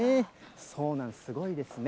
そうなんです、すごいですね。